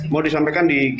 mau disampaikan di g dua puluh